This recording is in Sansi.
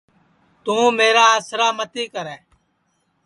توں میرا آسرا متی کرے